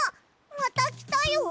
またきたよ！